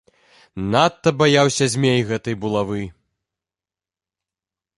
Надта баяўся змей гэтай булавы.